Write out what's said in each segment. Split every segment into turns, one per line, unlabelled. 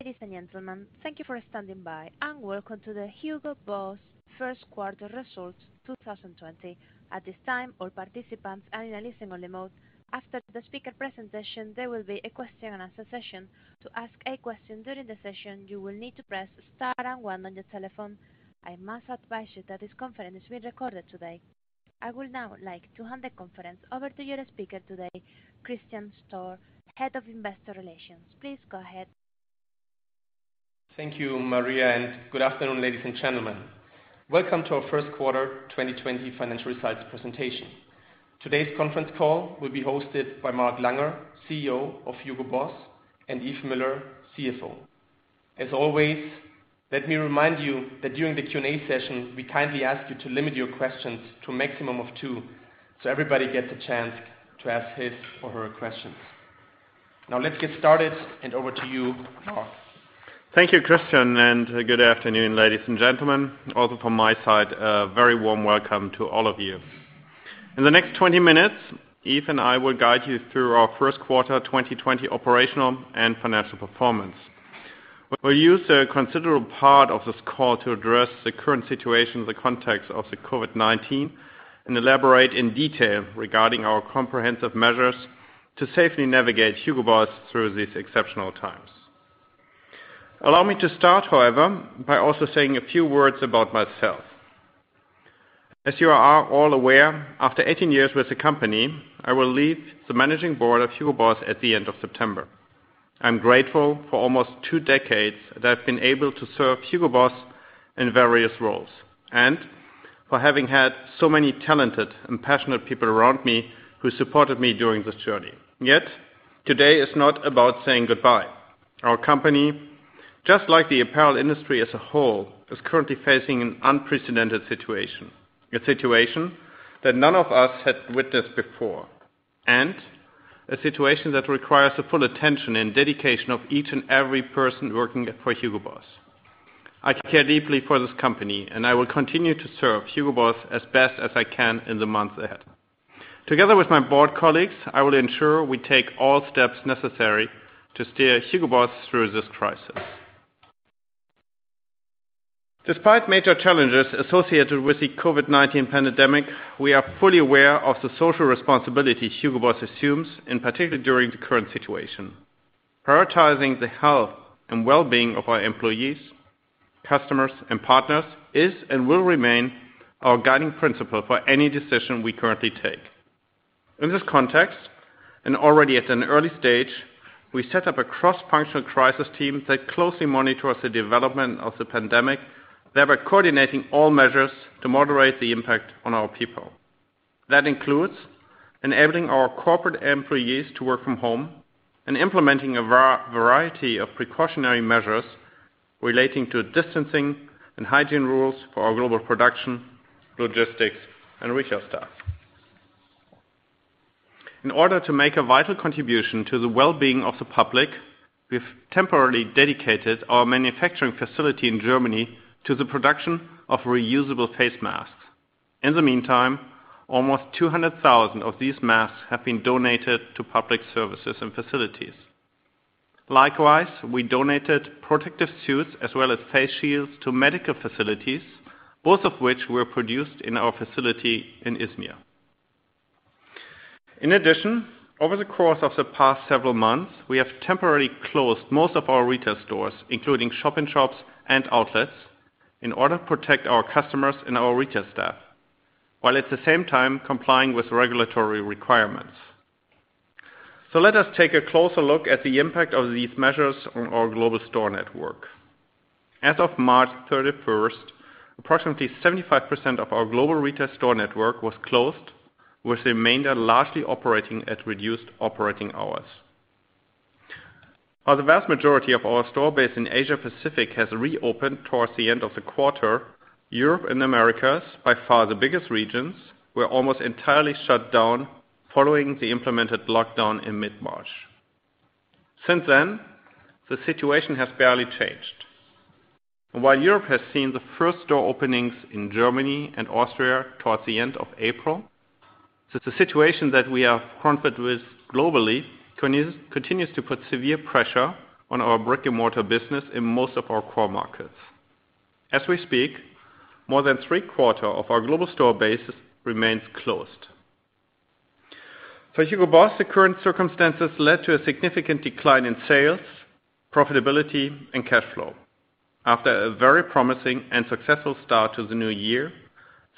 Ladies and gentlemen, thank you for standing by, and welcome to the Hugo Boss first quarter results 2020. I must advise you that this conference is being recorded today. I would now like to hand the conference over to your speaker today, Christian Stoehr, Head of Investor Relations. Please go ahead.
Thank you, Maria. Good afternoon, ladies and gentlemen. Welcome to our first quarter 2020 financial results presentation. Today's conference call will be hosted by Mark Langer, CEO of Hugo Boss, and Yves Müller, CFO. As always, let me remind you that during the Q&A session, we kindly ask you to limit your questions to a maximum of two, so everybody gets a chance to ask his or her questions. Now let's get started, and over to you, Mark.
Thank you, Christian. Good afternoon, ladies and gentlemen. Also from my side, a very warm welcome to all of you. In the next 20 minutes, Yves and I will guide you through our first quarter 2020 operational and financial performance. We'll use a considerable part of this call to address the current situation in the context of the COVID-19 and elaborate in detail regarding our comprehensive measures to safely navigate Hugo Boss through these exceptional times. Allow me to start, however, by also saying a few words about myself. As you are all aware, after 18 years with the company, I will leave the managing board of Hugo Boss at the end of September. I'm grateful for almost two decades that I've been able to serve Hugo Boss in various roles, and for having had so many talented and passionate people around me who supported me during this journey. Yet today is not about saying goodbye. Our company, just like the apparel industry as a whole, is currently facing an unprecedented situation, a situation that none of us had witnessed before, and a situation that requires the full attention and dedication of each and every person working for Hugo Boss. I care deeply for this company, and I will continue to serve Hugo Boss as best as I can in the months ahead. Together with my board colleagues, I will ensure we take all steps necessary to steer Hugo Boss through this crisis. Despite major challenges associated with the COVID-19 pandemic, we are fully aware of the social responsibility Hugo Boss assumes, in particular during the current situation. Prioritizing the health and well-being of our employees, customers, and partners is and will remain our guiding principle for any decision we currently take. In this context, and already at an early stage, we set up a cross-functional crisis team that closely monitors the development of the pandemic, thereby coordinating all measures to moderate the impact on our people. That includes enabling our corporate employees to work from home and implementing a variety of precautionary measures relating to distancing and hygiene rules for our global production, logistics, and retail staff. In order to make a vital contribution to the well-being of the public, we've temporarily dedicated our manufacturing facility in Germany to the production of reusable face masks. In the meantime, almost 200,000 of these masks have been donated to public services and facilities. Likewise, we donated protective suits as well as face shields to medical facilities, both of which were produced in our facility in Izmir. In addition, over the course of the past several months, we have temporarily closed most of our retail stores, including shop-in-shops and outlets, in order to protect our customers and our retail staff, while at the same time complying with regulatory requirements. Let us take a closer look at the impact of these measures on our global store network. As of March 31st, approximately 75% of our global retail store network was closed, with the remainder largely operating at reduced operating hours. While the vast majority of our store base in Asia Pacific has reopened towards the end of the quarter, Europe and the Americas, by far the biggest regions, were almost entirely shut down following the implemented lockdown in mid-March. Since then, the situation has barely changed. While Europe has seen the first store openings in Germany and Austria towards the end of April, the situation that we are confronted with globally continues to put severe pressure on our brick-and-mortar business in most of our core markets. As we speak, more than three-quarters of our global store base remains closed. For Hugo Boss, the current circumstances led to a significant decline in sales, profitability, and cash flow. After a very promising and successful start to the new year,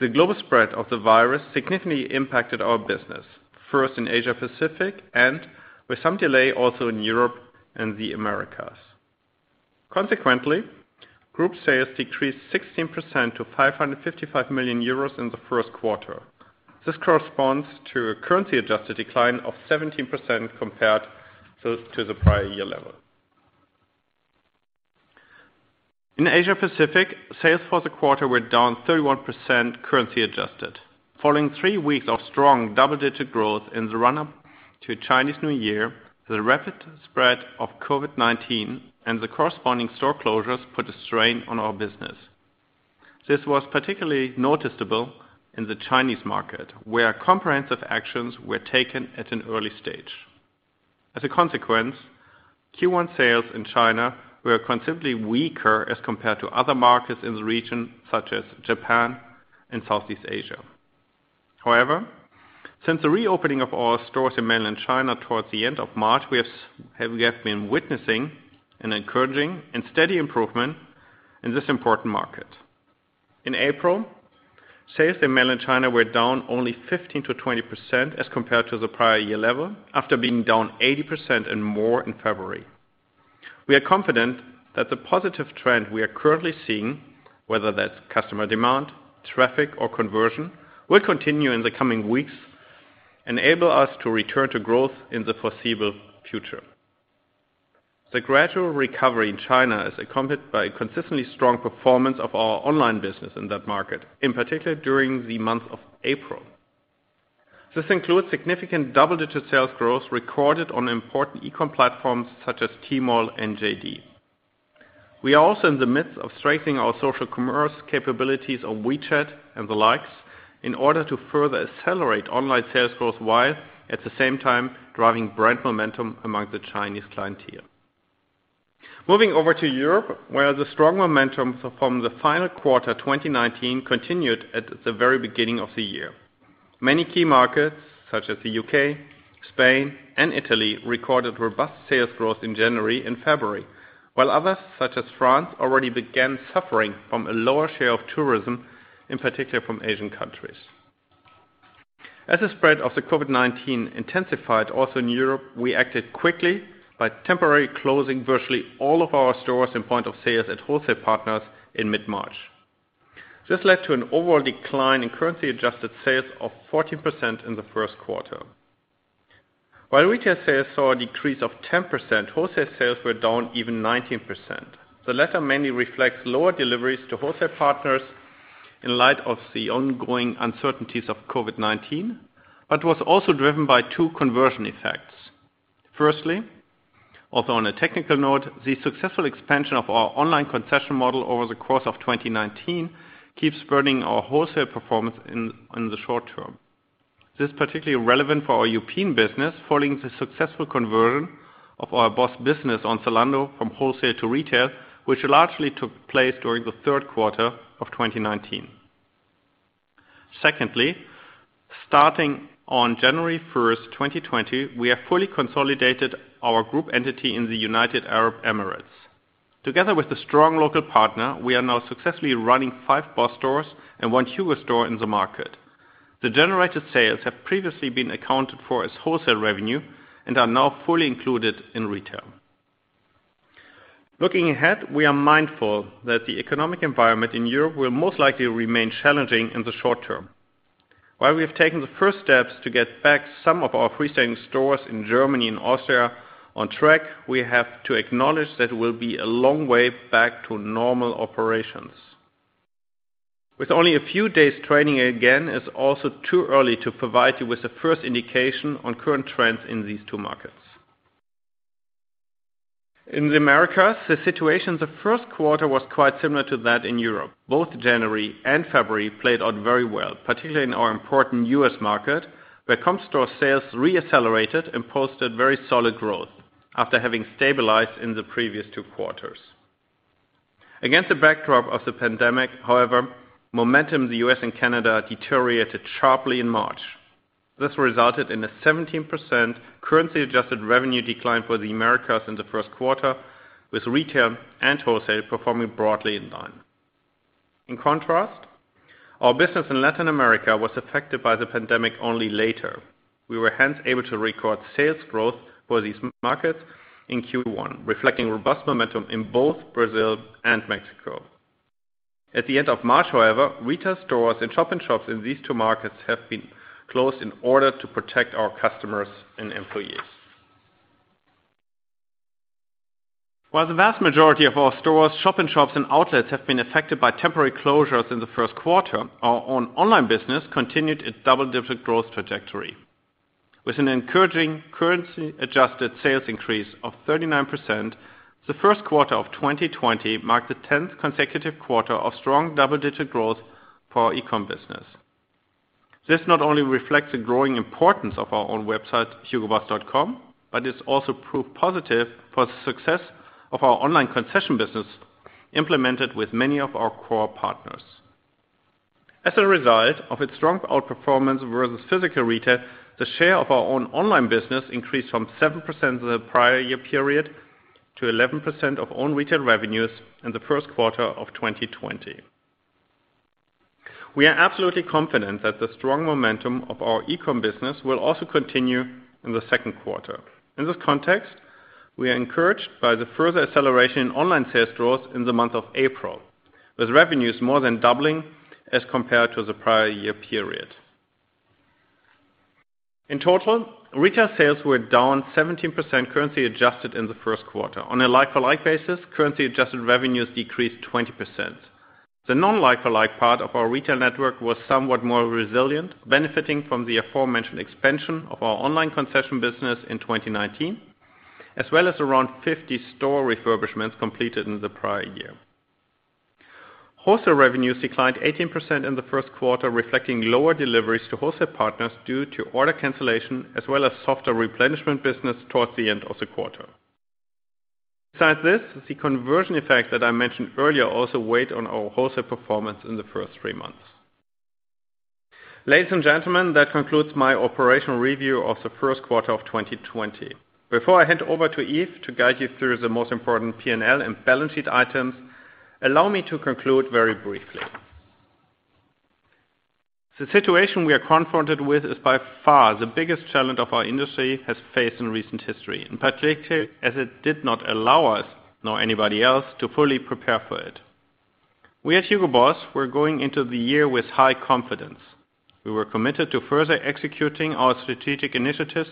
the global spread of the virus significantly impacted our business, first in Asia Pacific and, with some delay, also in Europe and the Americas. Consequently, group sales decreased 16% to 555 million euros in the first quarter. This corresponds to a currency-adjusted decline of 17% compared to the prior year level. In Asia Pacific, sales for the quarter were down 31% currency adjusted. Following three weeks of strong double-digit growth in the run-up to Chinese New Year, the rapid spread of COVID-19 and the corresponding store closures put a strain on our business. This was particularly noticeable in the Chinese market, where comprehensive actions were taken at an early stage. As a consequence, Q1 sales in China were considerably weaker as compared to other markets in the region, such as Japan and Southeast Asia. However, since the reopening of our stores in Mainland China towards the end of March, we have been witnessing an encouraging and steady improvement in this important market. In April, sales in Mainland China were down only 15%-20% as compared to the prior year level, after being down 80% and more in February. We are confident that the positive trend we are currently seeing, whether that's customer demand, traffic, or conversion, will continue in the coming weeks and enable us to return to growth in the foreseeable future. The gradual recovery in China is accompanied by consistently strong performance of our online business in that market, in particular during the month of April. This includes significant double-digit sales growth recorded on important e-com platforms such as Tmall and JD. We are also in the midst of strengthening our social commerce capabilities on WeChat and the likes, in order to further accelerate online sales growth while, at the same time, driving brand momentum among the Chinese clientele. Moving over to Europe, where the strong momentum from the final quarter 2019 continued at the very beginning of the year. Many key markets, such as the U.K., Spain, and Italy, recorded robust sales growth in January and February. While others, such as France, already began suffering from a lower share of tourism, in particular from Asian countries. As the spread of the COVID-19 intensified also in Europe, we acted quickly by temporarily closing virtually all of our stores and point of sales at wholesale partners in mid-March. This led to an overall decline in currency-adjusted sales of 14% in the first quarter. While retail sales saw a decrease of 10%, wholesale sales were down even 19%. The latter mainly reflects lower deliveries to wholesale partners in light of the ongoing uncertainties of COVID-19 but was also driven by two conversion effects. Firstly, although on a technical note, the successful expansion of our online concession model over the course of 2019 keeps burning our wholesale performance in the short term. This is particularly relevant for our European business, following the successful conversion of our BOSS business on Zalando from wholesale to retail, which largely took place during the third quarter of 2019. Secondly, starting on January 1st, 2020, we have fully consolidated our group entity in the United Arab Emirates. Together with a strong local partner, we are now successfully running five BOSS stores and one HUGO store in the market. The generated sales have previously been accounted for as wholesale revenue and are now fully included in retail. Looking ahead, we are mindful that the economic environment in Europe will most likely remain challenging in the short term. While we have taken the first steps to get back some of our freestanding stores in Germany and Austria on track, we have to acknowledge that it will be a long way back to normal operations. With only a few days trading again, it is also too early to provide you with the first indication on current trends in these two markets. In the Americas, the situation in the first quarter was quite similar to that in Europe. Both January and February played out very well, particularly in our important U.S. market, where comp store sales re-accelerated and posted very solid growth after having stabilized in the previous two quarters. Against the backdrop of the pandemic, however, momentum in the U.S. and Canada deteriorated sharply in March. This resulted in a 17% currency-adjusted revenue decline for the Americas in the first quarter, with retail and wholesale performing broadly in line. In contrast, our business in Latin America was affected by the pandemic only later. We were hence able to record sales growth for these markets in Q1, reflecting robust momentum in both Brazil and Mexico. At the end of March, however, retail stores and shop-in-shops in these two markets have been closed in order to protect our customers and employees. While the vast majority of our stores, shop-in-shops, and outlets have been affected by temporary closures in the first quarter, our own online business continued its double-digit growth trajectory. With an encouraging currency-adjusted sales increase of 39%, the first quarter of 2020 marked the 10th consecutive quarter of strong double-digit growth for our e-com business. This not only reflects the growing importance of our own website, hugoboss.com, but it's also proved positive for the success of our online concession business, implemented with many of our core partners. As a result of its strong outperformance versus physical retail, the share of our own online business increased from 7% in the prior year period to 11% of own retail revenues in the first quarter of 2020. We are absolutely confident that the strong momentum of our e-com business will also continue in the second quarter. In this context, we are encouraged by the further acceleration in online sales growth in the month of April, with revenues more than doubling as compared to the prior year period. In total, retail sales were down 17% currency adjusted in the first quarter. On a like-for-like basis, currency-adjusted revenues decreased 20%. The non-like-for-like part of our retail network was somewhat more resilient, benefiting from the aforementioned expansion of our online concession business in 2019 as well as around 50 store refurbishments completed in the prior year. Wholesale revenues declined 18% in the first quarter, reflecting lower deliveries to wholesale partners due to order cancellation, as well as softer replenishment business towards the end of the quarter. Besides this, the conversion effect that I mentioned earlier also weighed on our wholesale performance in the first three months. Ladies and gentlemen, that concludes my operational review of the first quarter of 2020. Before I hand over to Yves to guide you through the most important P&L and balance sheet items, allow me to conclude very briefly. The situation we are confronted with is by far the biggest challenge our industry has faced in recent history, in particular as it did not allow us, nor anybody else, to fully prepare for it. We at Hugo Boss were going into the year with high confidence. We were committed to further executing our strategic initiatives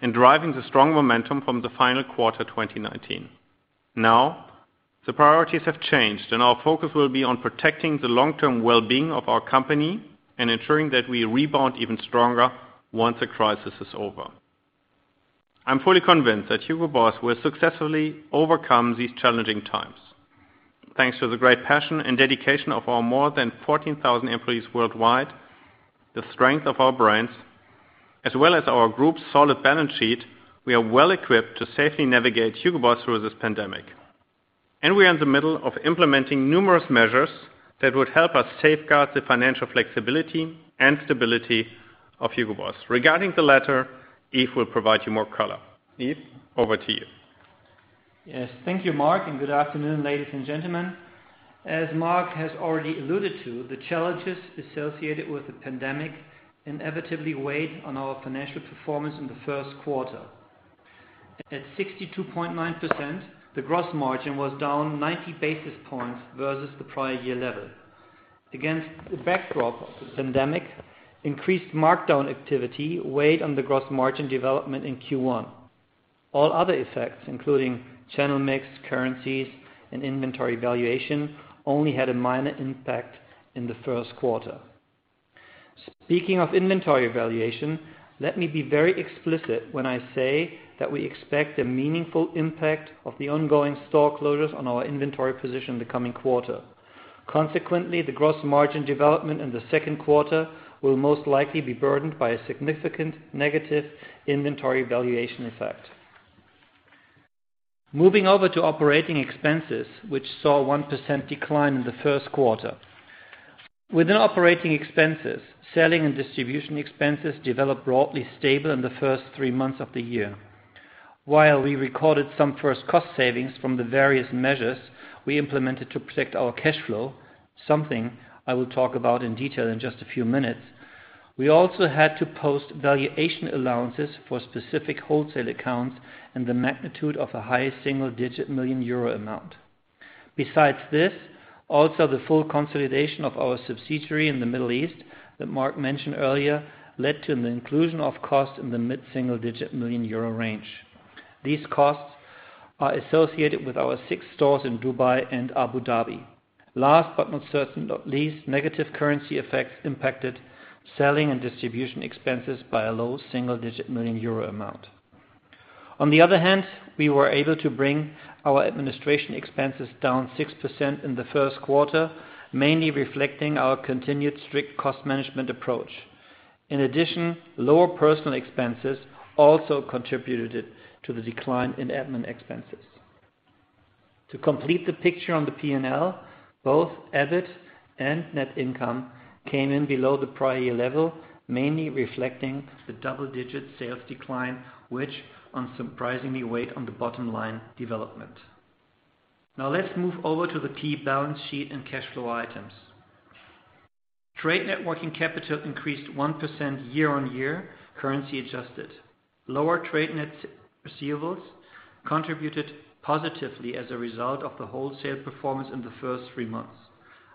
and driving the strong momentum from the final quarter 2019. Now, the priorities have changed, and our focus will be on protecting the long-term wellbeing of our company and ensuring that we rebound even stronger once the crisis is over. I'm fully convinced that Hugo Boss will successfully overcome these challenging times. Thanks to the great passion and dedication of our more than 14,000 employees worldwide, the strength of our brands, as well as our group's solid balance sheet, we are well equipped to safely navigate Hugo Boss through this pandemic. We are in the middle of implementing numerous measures that would help us safeguard the financial flexibility and stability of Hugo Boss. Regarding the latter, Yves will provide you more color. Yves, over to you.
Yes. Thank you, Mark. Good afternoon, ladies and gentlemen. As Mark has already alluded to, the challenges associated with the pandemic inevitably weighed on our financial performance in the first quarter. At 62.9%, the gross margin was down 90 basis points versus the prior year level. Against the backdrop of the pandemic, increased markdown activity weighed on the gross margin development in Q1. All other effects, including channel mix, currencies, and inventory valuation, only had a minor impact in the first quarter. Speaking of inventory valuation, let me be very explicit when I say that we expect a meaningful impact of the ongoing store closures on our inventory position in the coming quarter. Consequently, the gross margin development in the second quarter will most likely be burdened by a significant negative inventory valuation effect. Moving over to operating expenses, which saw 1% decline in the first quarter. Within operating expenses, selling and distribution expenses developed broadly stable in the first three months of the year. While we recorded some first cost savings from the various measures we implemented to protect our cash flow, something I will talk about in detail in just a few minutes, we also had to post valuation allowances for specific wholesale accounts in the magnitude of a high single-digit million euro amount. Besides this, also the full consolidation of our subsidiary in the Middle East that Mark mentioned earlier led to the inclusion of cost in the mid single-digit million euro range. These costs are associated with our six stores in Dubai and Abu Dhabi. Last but not least, negative currency effects impacted selling and distribution expenses by a low single-digit million euro amount. On the other hand, we were able to bring our administration expenses down 6% in the first quarter, mainly reflecting our continued strict cost management approach. In addition, lower personal expenses also contributed to the decline in admin expenses. To complete the picture on the P&L, both EBIT and net income came in below the prior year level, mainly reflecting the double-digit sales decline, which unsurprisingly weighed on the bottom line development. Now let's move over to the key balance sheet and cash flow items. Trade net working capital increased 1% year-over-year, currency adjusted. Lower trade net receivables contributed positively as a result of the wholesale performance in the first three months.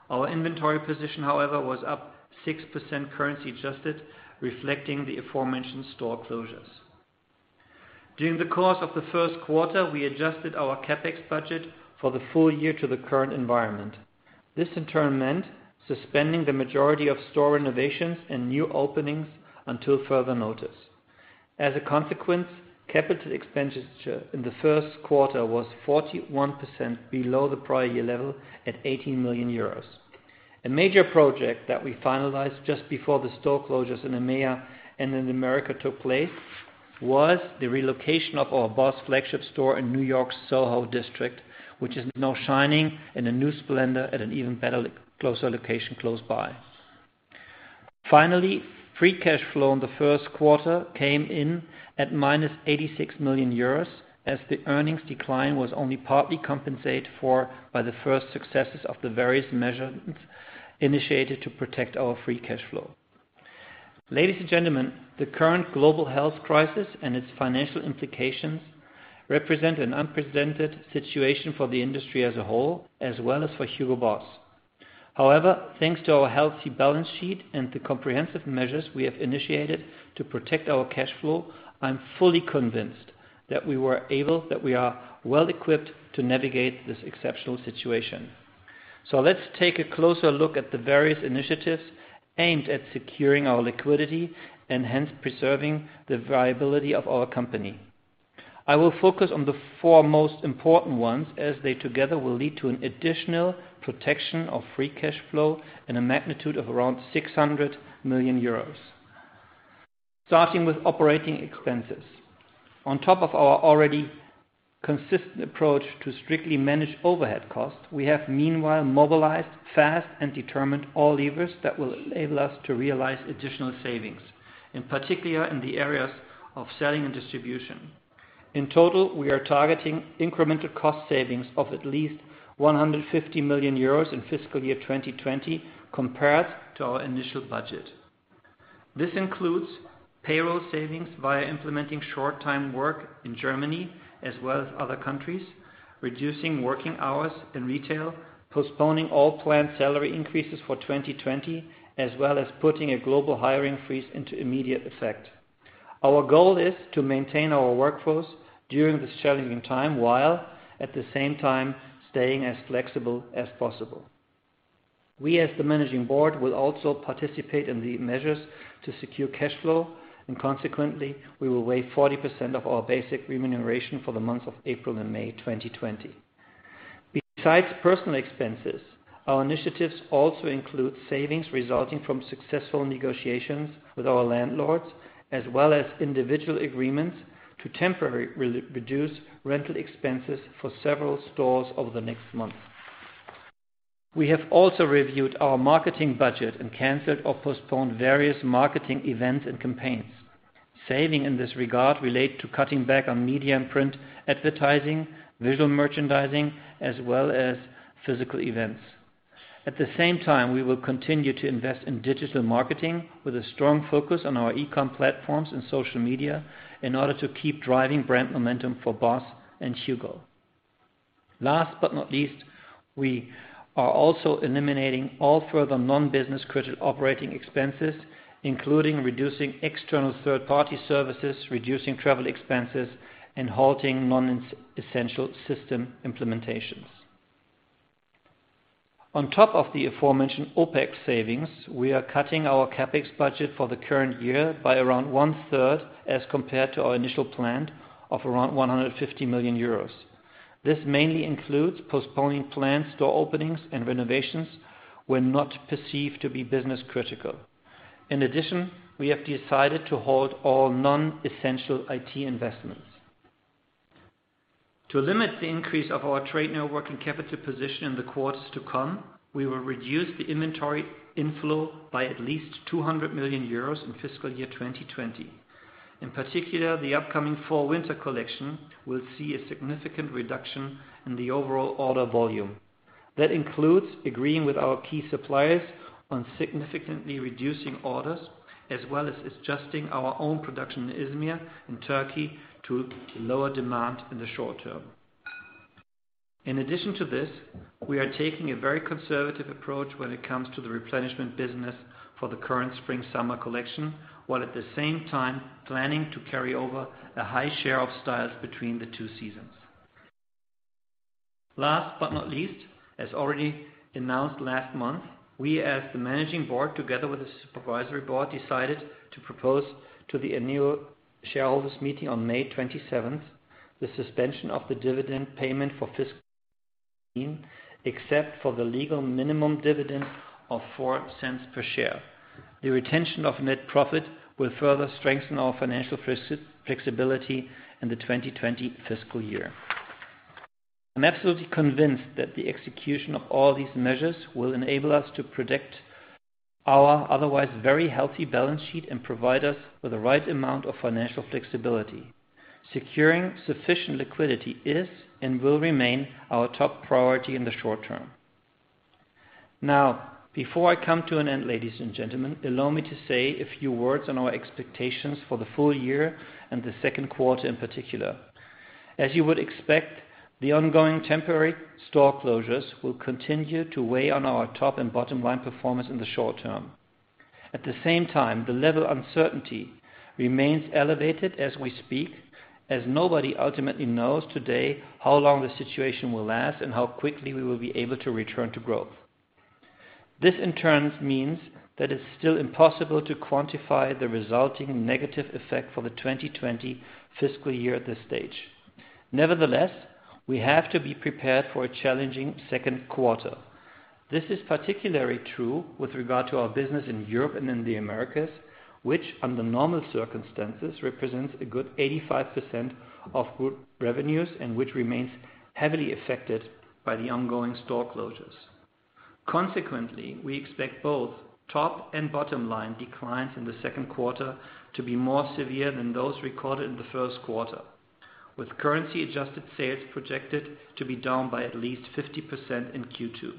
Our inventory position, however, was up 6% currency adjusted, reflecting the aforementioned store closures. During the course of the first quarter, we adjusted our CapEx budget for the full year to the current environment. This in turn meant suspending the majority of store renovations and new openings until further notice. A consequence, capital expenditure in the first quarter was 41% below the prior year level at 18 million euros. A major project that we finalized just before the store closures in EMEA and in America took place was the relocation of our BOSS flagship store in New York's Soho district, which is now shining in a new splendor at an even better closer location close by. Finally, free cash flow in the first quarter came in at -86 million euros as the earnings decline was only partly compensated for by the first successes of the various measures initiated to protect our free cash flow. Ladies and gentlemen, the current global health crisis and its financial implications represent an unprecedented situation for the industry as a whole, as well as for Hugo Boss. However, thanks to our healthy balance sheet and the comprehensive measures we have initiated to protect our cash flow, I'm fully convinced that we are well equipped to navigate this exceptional situation. Let's take a closer look at the various initiatives aimed at securing our liquidity and hence preserving the viability of our company. I will focus on the four most important ones, as they together will lead to an additional protection of free cash flow and a magnitude of around 600 million euros. Starting with operating expenses. On top of our already consistent approach to strictly manage overhead costs, we have meanwhile mobilized fast and determined all levers that will enable us to realize additional savings, in particular in the areas of selling and distribution. In total, we are targeting incremental cost savings of at least 150 million euros in fiscal year 2020 compared to our initial budget. This includes payroll savings via implementing short-time work in Germany as well as other countries, reducing working hours in retail, postponing all planned salary increases for 2020, as well as putting a global hiring freeze into immediate effect. Our goal is to maintain our workforce during this challenging time, while at the same time staying as flexible as possible. We, as the Managing Board, will also participate in the measures to secure cash flow, and consequently, we will waive 40% of our basic remuneration for the months of April and May 2020. Besides personal expenses, our initiatives also include savings resulting from successful negotiations with our landlords, as well as individual agreements to temporarily reduce rental expenses for several stores over the next month. We have also reviewed our marketing budget and canceled or postponed various marketing events and campaigns. Saving in this regard relate to cutting back on media and print advertising, visual merchandising, as well as physical events. At the same time, we will continue to invest in digital marketing with a strong focus on our e-com platforms and social media in order to keep driving brand momentum for BOSS and HUGO. Last but not least, we are also eliminating all further non-business critical operating expenses, including reducing external third-party services, reducing travel expenses, and halting non-essential system implementations. On top of the aforementioned OpEx savings, we are cutting our CapEx budget for the current year by around one-third as compared to our initial plan of around 150 million euros. This mainly includes postponing planned store openings and renovations were not perceived to be business critical. In addition, we have decided to halt all non-essential IT investments. To limit the increase of our trade network and capital position in the quarters to come, we will reduce the inventory inflow by at least 200 million euros in fiscal year 2020. In particular, the upcoming fall/winter collection will see a significant reduction in the overall order volume. That includes agreeing with our key suppliers on significantly reducing orders, as well as adjusting our own production in Izmir and Turkey to lower demand in the short term. In addition to this, we are taking a very conservative approach when it comes to the replenishment business for the current spring/summer collection, while at the same time planning to carry over a high share of styles between the two seasons. Last but not least, as already announced last month, we, as the managing board together with the supervisory board, decided to propose to the annual shareholders meeting on May 27th the suspension of the dividend payment for fiscal year, except for the legal minimum dividend of 0.04 per share. The retention of net profit will further strengthen our financial flexibility in the 2020 fiscal year. I'm absolutely convinced that the execution of all these measures will enable us to protect our otherwise very healthy balance sheet and provide us with the right amount of financial flexibility. Securing sufficient liquidity is and will remain our top priority in the short term. Before I come to an end, ladies and gentlemen, allow me to say a few words on our expectations for the full year and the second quarter in particular. As you would expect, the ongoing temporary store closures will continue to weigh on our top and bottom line performance in the short term. The level of uncertainty remains elevated as we speak, as nobody ultimately knows today how long this situation will last and how quickly we will be able to return to growth. This, in turn, means that it's still impossible to quantify the resulting negative effect for the 2020 fiscal year at this stage. We have to be prepared for a challenging second quarter. This is particularly true with regard to our business in Europe and in the Americas, which under normal circumstances represents a good 85% of group revenues and which remains heavily affected by the ongoing store closures. Consequently, we expect both top and bottom line declines in the second quarter to be more severe than those recorded in the first quarter, with currency-adjusted sales projected to be down by at least 50% in Q2.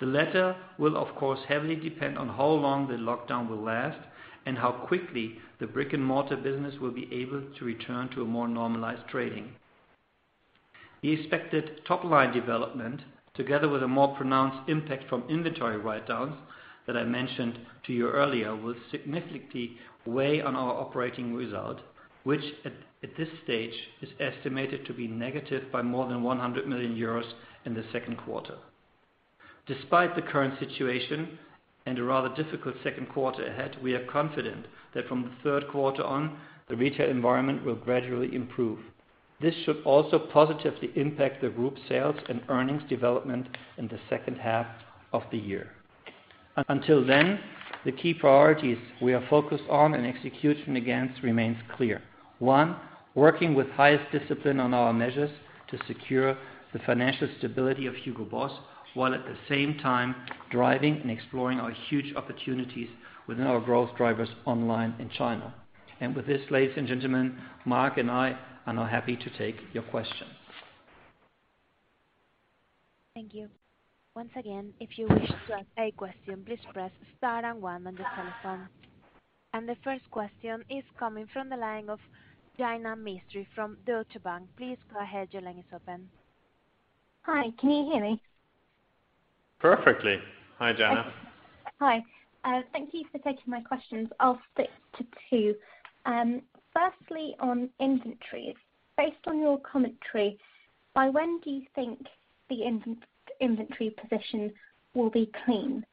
The latter will, of course, heavily depend on how long the lockdown will last and how quickly the brick-and-mortar business will be able to return to a more normalized trading. The expected top-line development, together with a more pronounced impact from inventory write-downs that I mentioned to you earlier, will significantly weigh on our operating result, which at this stage is estimated to be negative by more than 100 million euros in the second quarter. Despite the current situation and a rather difficult second quarter ahead, we are confident that from the third quarter on, the retail environment will gradually improve. This should also positively impact the group sales and earnings development in the second half of the year. Until then, the key priorities we are focused on and execution against remains clear. One, working with highest discipline on our measures to secure the financial stability of Hugo Boss, while at the same time driving and exploring our huge opportunities within our growth drivers online in China. With this, ladies and gentlemen, Mark and I are now happy to take your questions.
Thank you. The first question is coming from the line of Jaina Mistry from Deutsche Bank. Please go ahead. Your line is open.
Hi, can you hear me?
Perfectly. Hi, Jaina.
Hi. Thank you for taking my questions. I'll stick to two. Firstly, on inventories. Based on your commentary, by when do you think the inventory position will be clean?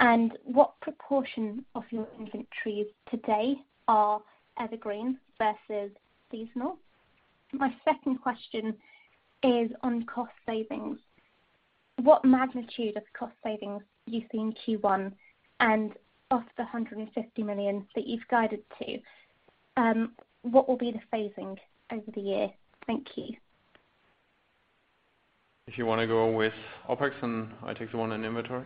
And what proportion of your inventories to date are evergreen versus seasonal? My second question is on cost savings. What magnitude of cost savings do you see in Q1? And of the 150 million that you've guided to, what will be the phasing over the year? Thank you.
If you want to go with OpEx, and I take the one on inventory.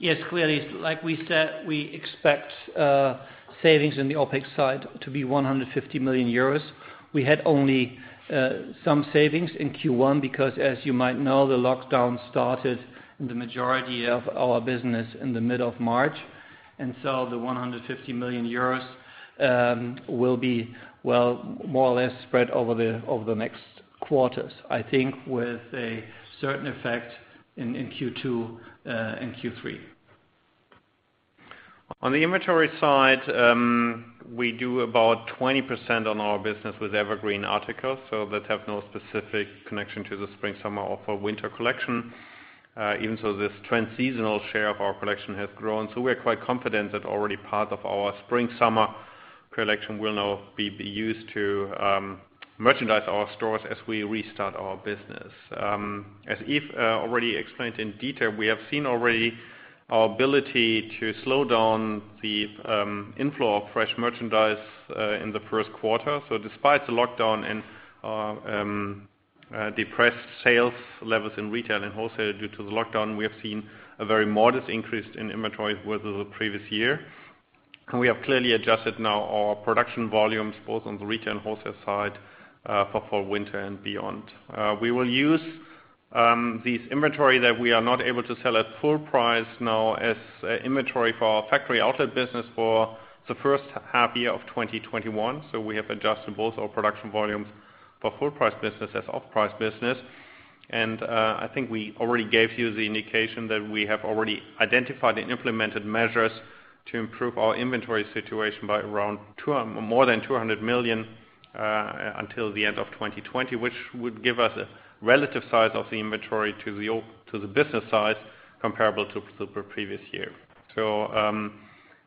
Yes, clearly, like we said, we expect savings in the OpEx side to be 150 million euros. We had only some savings in Q1 because, as you might know, the lockdown started in the majority of our business in the middle of March. The 150 million euros will be more or less spread over the next quarters, I think, with a certain effect in Q2 and Q3.
On the inventory side, we do about 20% on our business with evergreen articles, so that have no specific connection to the spring/summer or fall/winter collection. Even so, this trend seasonal share of our collection has grown. We are quite confident that already part of our spring/summer collection will now be used to merchandise our stores as we restart our business. As Yves already explained in detail, we have seen already our ability to slow down the inflow of fresh merchandise in the first quarter. Despite the lockdown and depressed sales levels in retail and wholesale due to the lockdown, we have seen a very modest increase in inventories with the previous year. We have clearly adjusted now our production volumes both on the retail and wholesale side for fall/winter and beyond. We will use these inventory that we are not able to sell at full price now as inventory for our factory outlet business for the first half year of 2021. We have adjusted both our production volumes for full-price business as off-price business. I think we already gave you the indication that we have already identified and implemented measures to improve our inventory situation by more than 200 million until the end of 2020, which would give us a relative size of the inventory to the business size comparable to the previous year.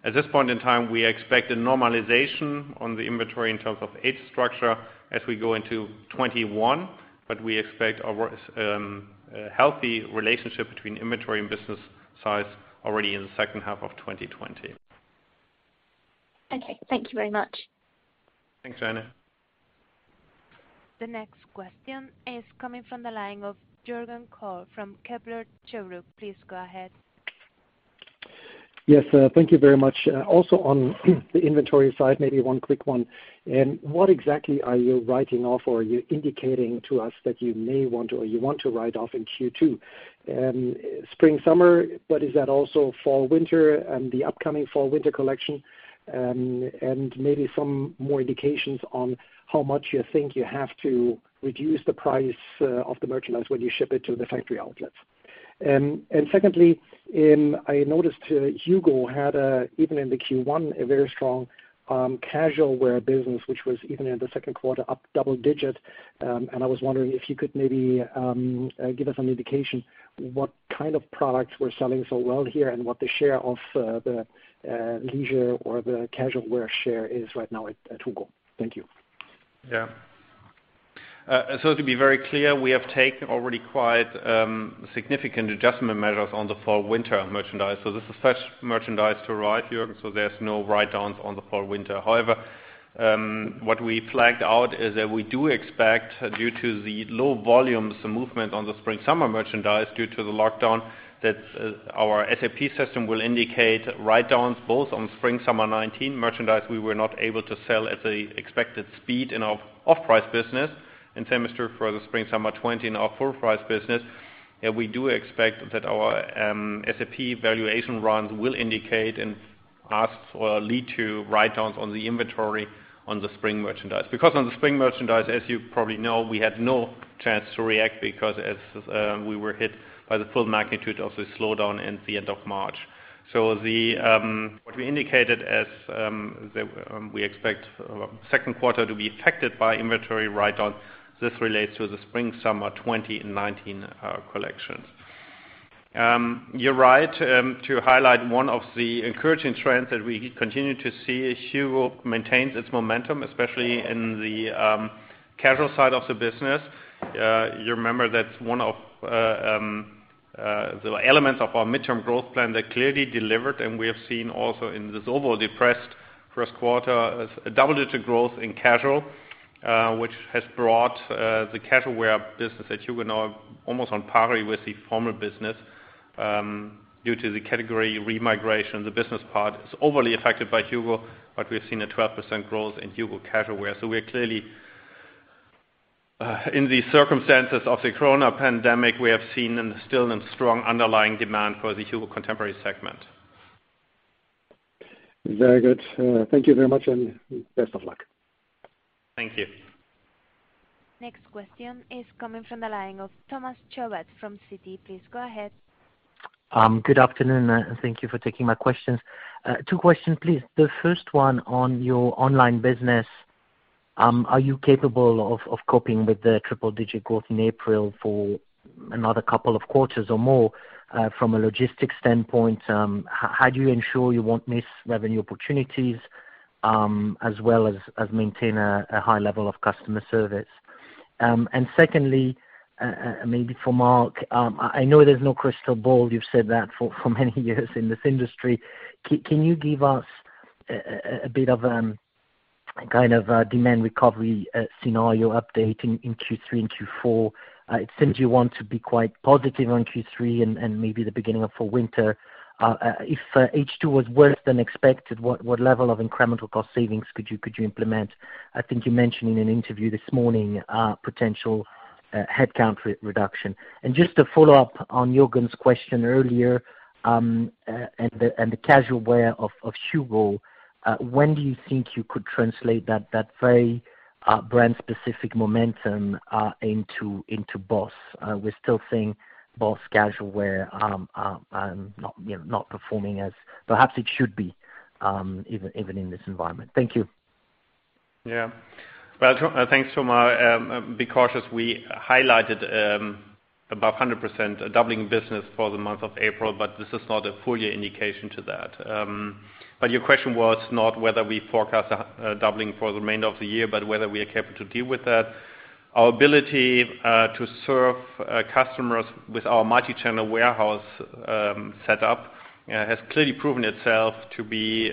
At this point in time, we expect a normalization on the inventory in terms of age structure as we go into 2021. We expect a healthy relationship between inventory and business size already in the second half of 2020.
Okay. Thank you very much.
Thanks, Jaina.
The next question is coming from the line of Jürgen Kolb from Kepler Cheuvreux. Please go ahead.
Yes. Thank you very much. Also on the inventory side, maybe one quick one. What exactly are you writing off, or are you indicating to us that you may want to, or you want to write off in Q2? Spring/summer, but is that also fall/winter and the upcoming fall/winter collection? Maybe some more indications on how much you think you have to reduce the price of the merchandise when you ship it to the factory outlets. Secondly, I noticed HUGO had, even in the Q1, a very strong casual wear business, which was even in the second quarter up double digit. I was wondering if you could maybe give us an indication what kind of products were selling so well here, and what the share of the leisure or the casual wear share is right now at HUGO. Thank you.
Yeah. To be very clear, we have taken already quite significant adjustment measures on the fall/winter merchandise. This is fresh merchandise to arrive here, and so there's no write-downs on the fall/winter. However, what we flagged out is that we do expect due to the low volumes movement on the spring/summer merchandise due to the lockdown, that our SAP system will indicate write-downs both on spring/summer 2019 merchandise we were not able to sell at the expected speed in our off-price business, and same is true for the spring/summer 2020 in our full price business. We do expect that our SAP valuation runs will indicate and lead to write-downs on the inventory on the spring merchandise. On the spring merchandise, as you probably know, we had no chance to react because we were hit by the full magnitude of the slowdown in the end of March. What we indicated as we expect second quarter to be affected by inventory write-down. This relates to the spring/summer 2020 and 2019 collections. You're right to highlight one of the encouraging trends that we continue to see is HUGO maintains its momentum, especially in the casual side of the business. You remember that's one of the elements of our mid-term growth plan that clearly delivered, and we have seen also in this overall depressed first quarter, a double-digit growth in casual, which has brought the casual wear business at HUGO now almost on par with the formal business. Due to the category re-migration, the business part is overly affected by HUGO, but we've seen a 12% growth in HUGO casual wear. We are clearly in the circumstances of the corona pandemic, we have seen and still in strong underlying demand for the HUGO contemporary segment.
Very good. Thank you very much, and best of luck.
Thank you.
Next question is coming from the line of Thomas Chauvet from Citi. Please go ahead.
Good afternoon. Thank you for taking my questions. Two questions, please. The first one on your online business, are you capable of coping with the triple-digit growth in April for another couple of quarters or more? From a logistics standpoint, how do you ensure you won't miss revenue opportunities, as well as maintain a high level of customer service? Secondly, maybe for Mark, I know there's no crystal ball. You've said that for many years in this industry. Can you give us a bit of a kind of demand recovery scenario update in Q3 and Q4? It seems you want to be quite positive on Q3 and maybe the beginning of fall/winter. If H2 was worse than expected, what level of incremental cost savings could you implement? I think you mentioned in an interview this morning potential headcount reduction. Just to follow up on Jürgen's question earlier, and the casual wear of HUGO, when do you think you could translate that very brand-specific momentum into BOSS? We're still seeing BOSS casual wear not performing as perhaps it should be even in this environment. Thank you.
Yeah. Well, thanks, Thomas. Be cautious, we highlighted above 100% doubling business for the month of April, but this is not a full year indication to that. Your question was not whether we forecast a doubling for the remainder of the year, but whether we are capable to deal with that. Our ability to serve customers with our multi-channel warehouse set up has clearly proven itself to be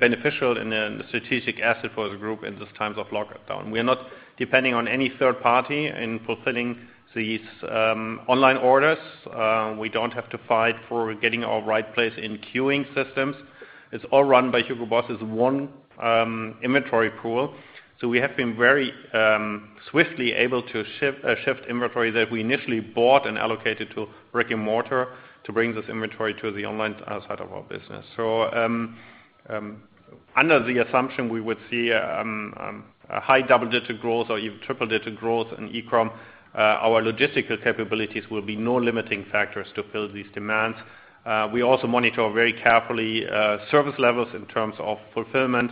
beneficial and a strategic asset for the group in these times of lockdown. We are not depending on any third party in fulfilling these online orders. We don't have to fight for getting our right place in queuing systems. It's all run by Hugo Boss as one inventory pool. We have been very swiftly able to shift inventory that we initially bought and allocated to brick-and-mortar to bring this inventory to the online side of our business. Under the assumption we would see a high double-digit growth or even triple-digit growth in e-com, our logistical capabilities will be no limiting factors to fill these demands. We also monitor very carefully service levels in terms of fulfillment.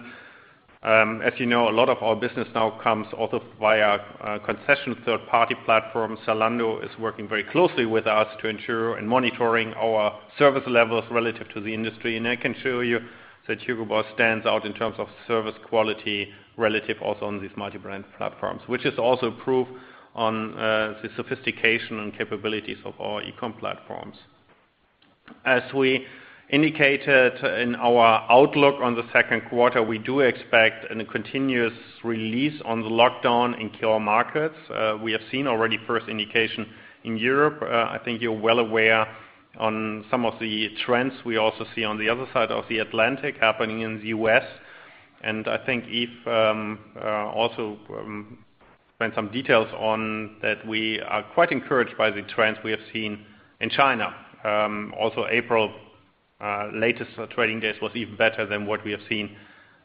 As you know, a lot of our business now comes also via concession third-party platforms. Zalando is working very closely with us to ensure and monitoring our service levels relative to the industry. I can show you that Hugo Boss stands out in terms of service quality relative also on these multi-brand platforms, which is also proof on the sophistication and capabilities of our e-com platforms. As we indicated in our outlook on the second quarter, we do expect a continuous release on the lockdown in key markets. We have seen already first indication in Europe. I think you're well aware on some of the trends we also see on the other side of the Atlantic happening in the U.S. I think Yves also spent some details on that we are quite encouraged by the trends we have seen in China. Also, April latest trading days was even better than what we have seen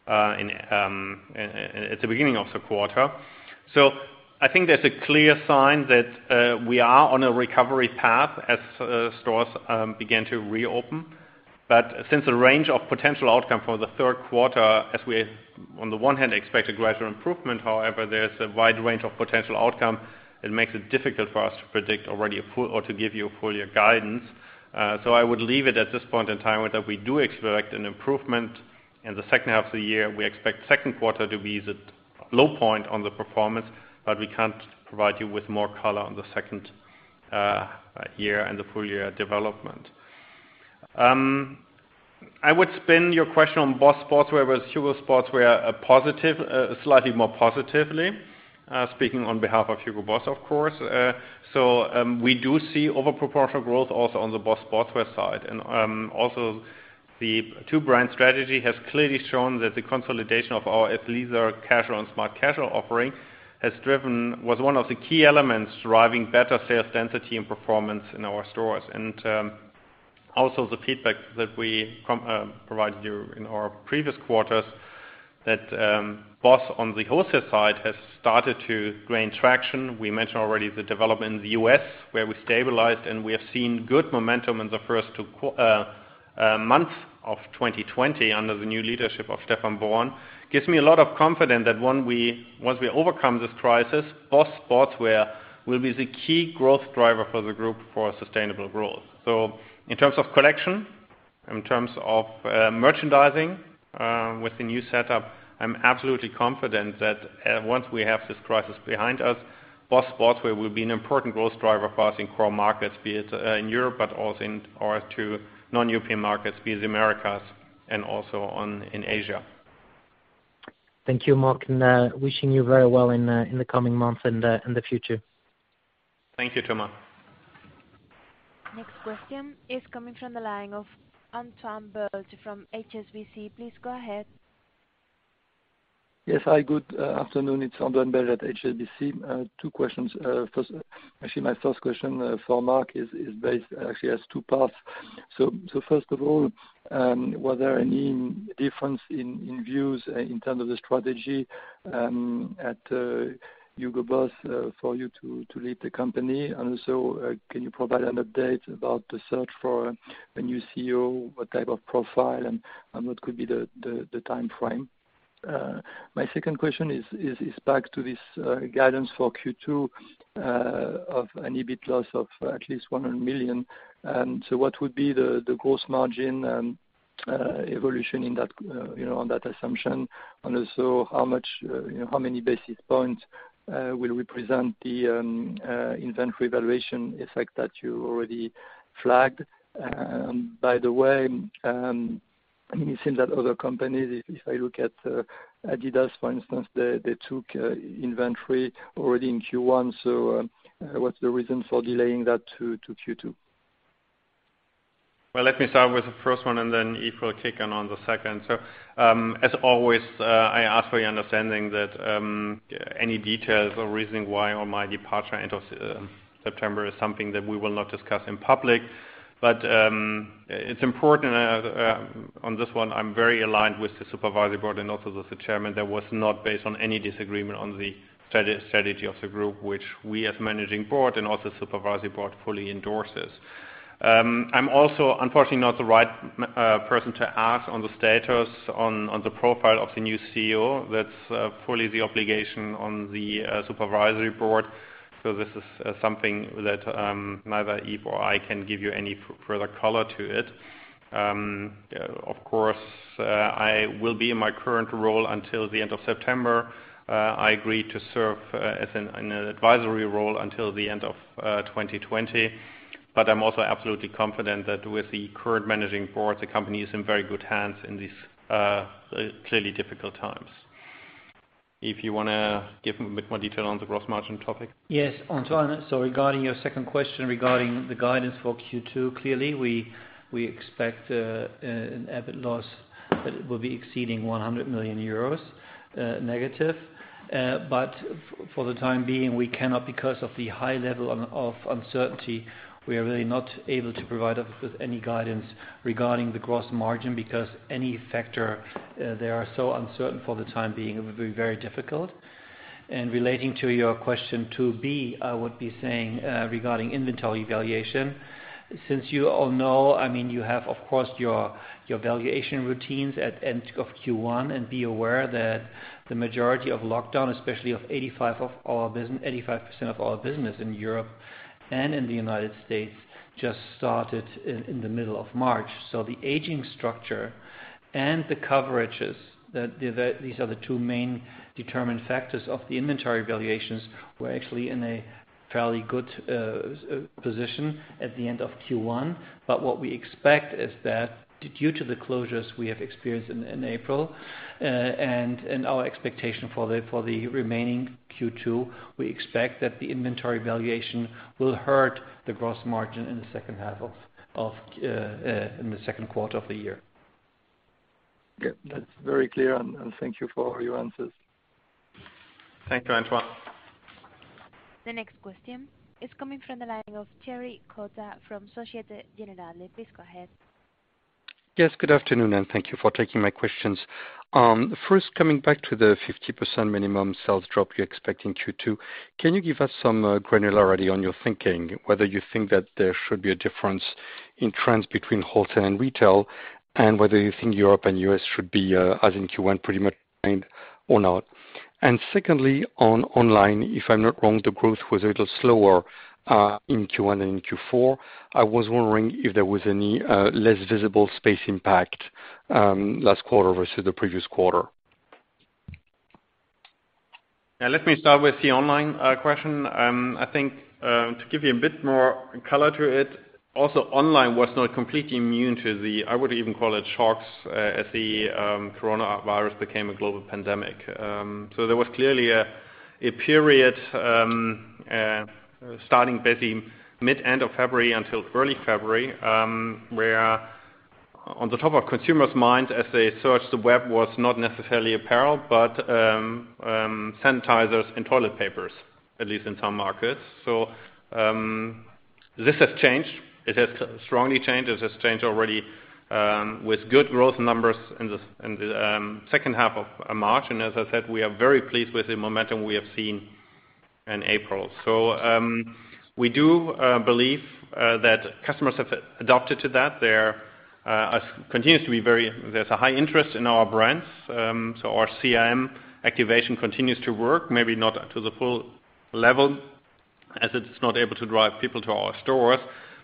at the beginning of the quarter. I think there's a clear sign that we are on a recovery path as stores begin to reopen. Since the range of potential outcome for the third quarter, as we on the one hand, expect a gradual improvement, however, there's a wide range of potential outcome that makes it difficult for us to predict already or to give you a full-year guidance. I would leave it at this point in time that we do expect an improvement in the second half of the year. We expect second quarter to be the low point on the performance. We can't provide you with more color on the second year and the full-year development. I would spin your question on BOSS Sportswear versus HUGO Sportswear slightly more positively, speaking on behalf of Hugo Boss, of course. We do see over-proportional growth also on the BOSS Sportswear side. Also, the two-brand strategy has clearly shown that the consolidation of our athleisure, casual, and smart casual offering was one of the key elements driving better sales density and performance in our stores. Also, the feedback that we provided you in our previous quarters, that BOSS on the wholesale side has started to gain traction. We mentioned already the development in the U.S. where we stabilized, and we have seen good momentum in the first two months of 2020 under the new leadership of Stefan Born. Gives me a lot of confidence that once we overcome this crisis, BOSS Sportswear will be the key growth driver for the group for sustainable growth. In terms of collection, in terms of merchandising with the new setup, I'm absolutely confident that once we have this crisis behind us, BOSS Sportswear will be an important growth driver for us in core markets, be it in Europe, but also in our two non-European markets, be it the Americas and also in Asia.
Thank you, Mark, and wishing you very well in the coming months and the future.
Thank you, Thomas.
Next question is coming from the line of Antoine Belge from HSBC. Please go ahead.
Yes, hi. Good afternoon. It's Antoine Belge at HSBC. Two questions. Actually, my first question for Mark actually has two parts. First of all, was there any difference in views in terms of the strategy at Hugo Boss for you to leave the company? Also, can you provide an update about the search for a new CEO, what type of profile, and what could be the time frame? My second question is back to this guidance for Q2 of an EBIT loss of at least 100 million. What would be the gross margin and evolution on that assumption? Also how many basis points will represent the inventory valuation effect that you already flagged? By the way, it seems that other companies, if I look at Adidas, for instance, they took inventory already in Q1. What's the reason for delaying that to Q2?
Let me start with the first one, and then Yves will kick in on the second. As always, I ask for your understanding that any details or reasoning why on my departure end of September is something that we will not discuss in public. It's important on this one, I'm very aligned with the supervisory board and also with the chairman. That was not based on any disagreement on the strategy of the group, which we as managing board and also supervisory board fully endorses. I'm also, unfortunately, not the right person to ask on the status on the profile of the new CEO. That's fully the obligation on the supervisory board. This is something that neither Yves or I can give you any further color to it. Of course, I will be in my current role until the end of September. I agreed to serve in an advisory role until the end of 2020. I'm also absolutely confident that with the current managing board, the company is in very good hands in these clearly difficult times. Yves, you want to give a bit more detail on the gross margin topic?
Yes, Antoine. regarding your second question regarding the guidance for Q2, clearly we expect an EBIT loss that will be exceeding 100 million euros-. For the time being, we cannot because of the high level of uncertainty, we are really not able to provide with any guidance regarding the gross margin because any factor, they are so uncertain for the time being, it would be very difficult. Relating to your question 2B, I would be saying regarding inventory valuation, since you all know, you have, of course, your valuation routines at end of Q1 and be aware that the majority of lockdown, especially of 85% of our business in Europe and in the United States, just started in the middle of March. The aging structure and the coverages, these are the two main determined factors of the inventory valuations were actually in a fairly good position at the end of Q1. What we expect is that due to the closures we have experienced in April and our expectation for the remaining Q2, we expect that the inventory valuation will hurt the gross margin in the second quarter of the year.
Yeah. That's very clear and thank you for your answers.
Thank you, Antoine.
The next question is coming from the line of Thierry Cota from Société Générale. Please go ahead.
Yes, good afternoon, and thank you for taking my questions. First, coming back to the 50% minimum sales drop you expect in Q2, can you give us some granularity on your thinking, whether you think that there should be a difference in trends between wholesale and retail and whether you think Europe and U.S. should be as in Q1 pretty much in or not? Secondly, on online, if I'm not wrong, the growth was a little slower in Q1 and in Q4. I was wondering if there was any less visible space impact last quarter versus the previous quarter.
Yeah, let me start with the online question. I think to give you a bit more color to it, also online was not completely immune to the, I would even call it shocks as the COVID-19 became a global pandemic. This has changed. It has strongly changed. It has changed already with good growth numbers in the second half of March. As I said, we are very pleased with the momentum we have seen in April. We do believe that customers have adapted to that. There continues to be a high interest in our brands. Our CRM activation continues to work, maybe not to the full level as it's not able to drive people to our stores.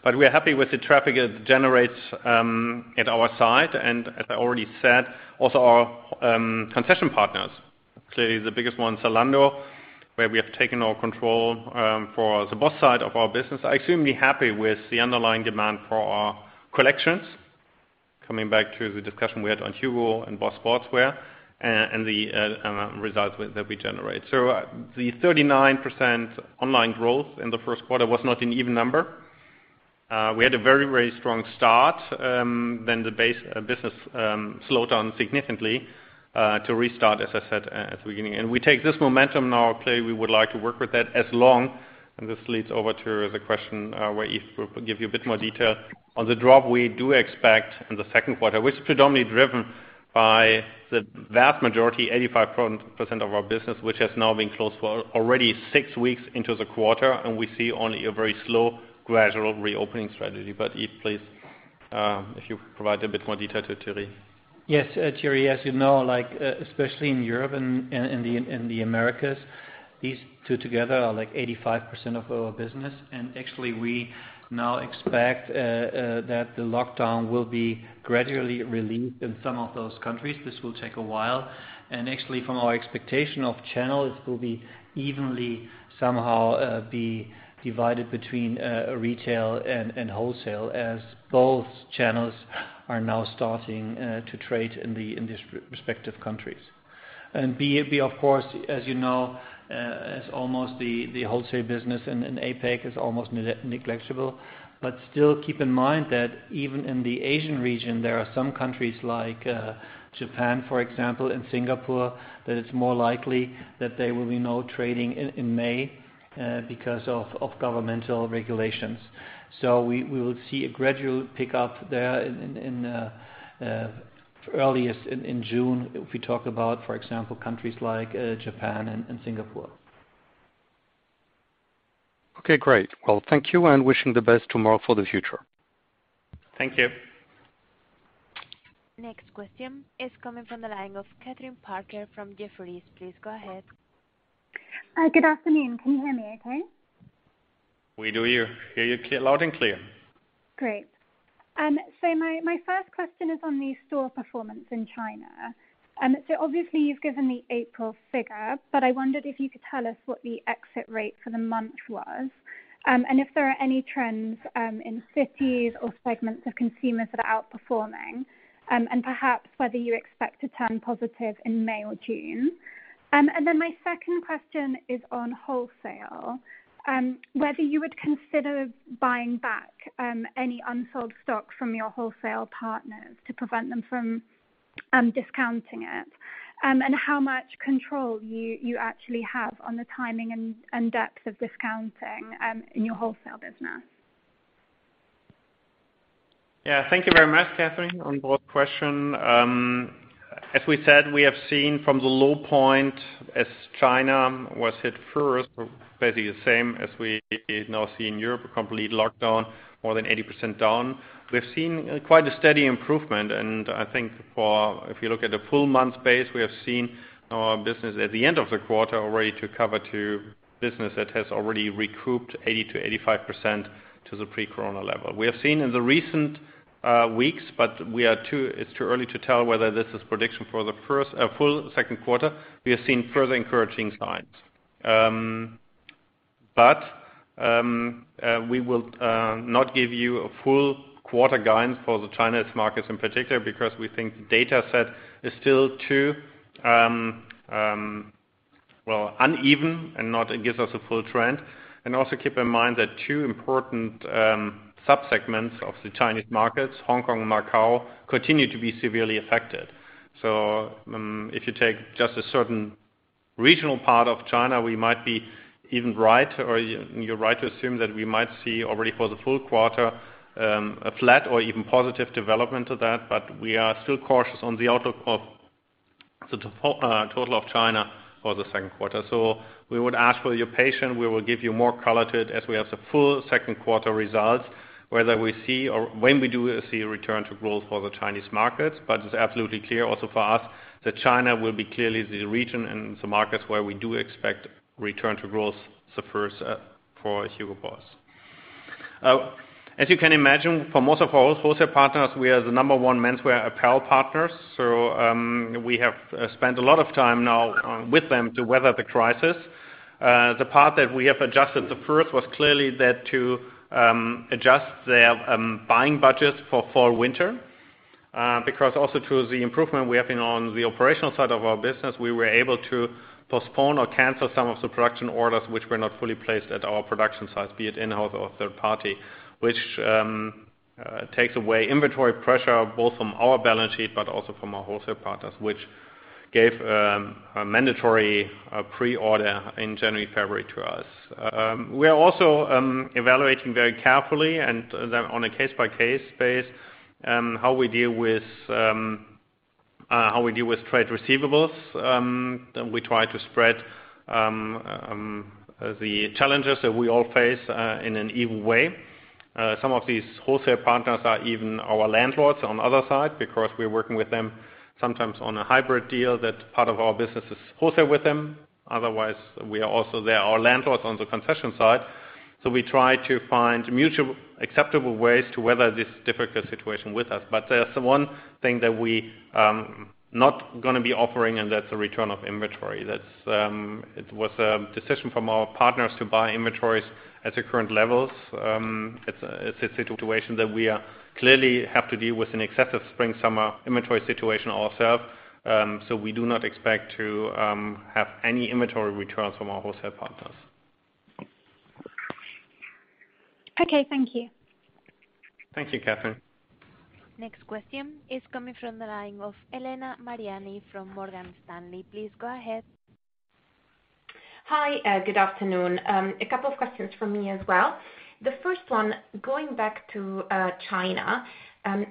We are happy with the traffic it generates at our site. As I already said, also our concession partners, clearly the biggest one, Zalando, where we have taken our control for the BOSS side of our business, are extremely happy with the underlying demand for our collections, coming back to the discussion we had on HUGO and BOSS Sportswear and the results that we generate. The 39% online growth in the first quarter was not an even number. We had a very strong start, then the business slowed down significantly, to restart, as I said, at the beginning. We take this momentum now. Clearly, we would like to work with that as long, and this leads over to the question where Yves will give you a bit more detail on the drop we do expect in the second quarter, which is predominantly driven by the vast majority, 85% of our business, which has now been closed for already six weeks into the quarter, and we see only a very slow, gradual reopening strategy. Yves, please, if you provide a bit more detail to Thierry.
Yes, Thierry, as you know, especially in Europe and the Americas, these two together are 85% of our business. Actually, we now expect that the lockdown will be gradually relieved in some of those countries. This will take a while. Actually, from our expectation of channels, it will be evenly somehow be divided between retail and wholesale as both channels are now starting to trade in the respective countries. Be it, of course, as you know, as almost the wholesale business in APAC is almost negligible. Still keep in mind that even in the Asian region, there are some countries like Japan, for example, and Singapore, that it's more likely that there will be no trading in May because of governmental regulations. We will see a gradual pickup there in earliest in June, if we talk about, for example, countries like Japan and Singapore.
Okay, great. Well, thank you and wishing the best tomorrow for the future.
Thank you.
Next question is coming from the line of Kathryn Parker from Jefferies. Please go ahead.
Good afternoon. Can you hear me okay?
We do hear you loud and clear.
Great. My first question is on the store performance in China. Obviously, you've given the April figure. I wondered if you could tell us what the exit rate for the month was, and if there are any trends in cities or segments of consumers that are outperforming, and perhaps whether you expect to turn positive in May or June. My second question is on wholesale, whether you would consider buying back any unsold stock from your wholesale partners to prevent them from discounting it, and how much control you actually have on the timing and depth of discounting in your wholesale business.
Thank you very much, Kathryn. On both question. As we said, we have seen from the low point as China was hit first, basically the same as we now see in Europe, a complete lockdown, more than 80% down. We've seen quite a steady improvement. I think if you look at the full month base, we have seen our business at the end of the quarter already to cover to business that has already recouped 80%-85% to the pre-corona level. We have seen in the recent weeks, it's too early to tell whether this is prediction for the full second quarter. We will not give you a full quarter guidance for the Chinese markets in particular because we think the data set is still too uneven and not gives us a full trend. Also keep in mind that two important subsegments of the Chinese markets, Hong Kong and Macau, continue to be severely affected. If you take just a certain regional part of China, we might be even right or you're right to assume that we might see already for the full quarter a flat or even positive development to that. We are still cautious on the outlook of the total of China for the second quarter. We would ask for your patience. We will give you more color to it as we have the full second quarter results, whether we see or when we do see a return to growth for the Chinese markets. It's absolutely clear also for us that China will be clearly the region and the markets where we do expect return to growth the first for Hugo Boss. As you can imagine, for most of our wholesale partners, we are the number one menswear apparel partners. We have spent a lot of time now with them to weather the crisis. The part that we have adjusted the first was clearly that to adjust their buying budget for fall-winter. Also through the improvement we have been on the operational side of our business, we were able to postpone or cancel some of the production orders which were not fully placed at our production sites, be it in-house or third party, which takes away inventory pressure both from our balance sheet but also from our wholesale partners, which gave a mandatory pre-order in January, February to us. We are also evaluating very carefully and on a case-by-case basis, how we deal with trade receivables. We try to spread the challenges that we all face in an even way. Some of these wholesale partners are even our landlords on other side because we're working with them sometimes on a hybrid deal that part of our business is wholesale with them. Otherwise, we are also their landlords on the concession side. We try to find mutually acceptable ways to weather this difficult situation with us. There's one thing that we not going to be offering, and that's a return of inventory. It was a decision from our partners to buy inventories at the current levels. It's a situation that we clearly have to deal with an excessive spring, summer inventory situation ourselves. We do not expect to have any inventory returns from our wholesale partners.
Okay. Thank you.
Thank you, Kathryn.
Next question is coming from the line of Elena Mariani from Morgan Stanley. Please go ahead.
Hi. Good afternoon. A couple of questions from me as well. The first one, going back to China.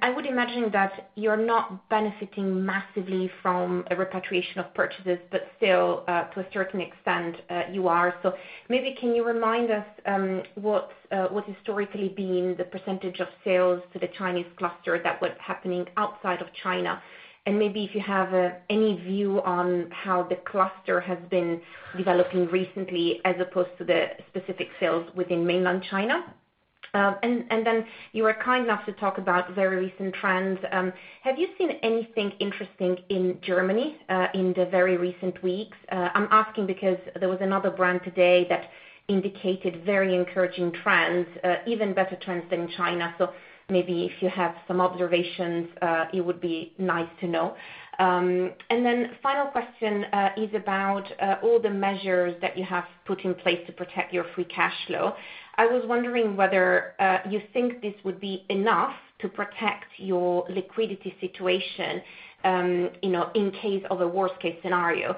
I would imagine that you're not benefiting massively from a repatriation of purchases, but still, to a certain extent, you are. Maybe can you remind us what historically been the percentage of sales to the Chinese cluster that was happening outside of China? Maybe if you have any view on how the cluster has been developing recently as opposed to the specific sales within Mainland China. You were kind enough to talk about very recent trends. Have you seen anything interesting in Germany in the very recent weeks? I'm asking because there was another brand today that indicated very encouraging trends, even better trends than China. Maybe if you have some observations, it would be nice to know. Final question is about all the measures that you have put in place to protect your free cash flow. I was wondering whether you think this would be enough to protect your liquidity situation, in case of a worst-case scenario.